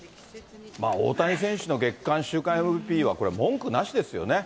大谷選手の月間、週間ＭＶＰはこれ、文句なしですよね。